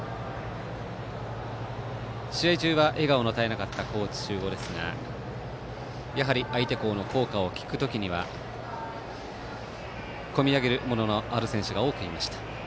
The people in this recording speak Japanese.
試合中は笑顔の絶えなかった高知中央ですがやはり相手校の校歌を聴く時には込み上げるもののある選手が多くいました。